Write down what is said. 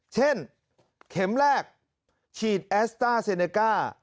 เช่นเข็มแรกฉีดแอสต้าเซเนก้า